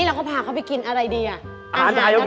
ยุโรปอยู่โรปสไตล์ยุโรป